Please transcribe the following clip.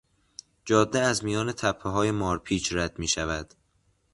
جاده از میان تپههای مارپیچ رد میشود.